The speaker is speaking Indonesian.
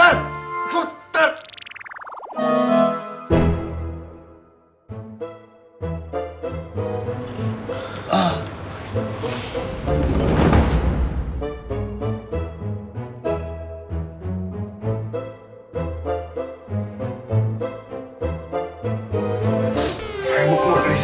saya mau keluar dari sini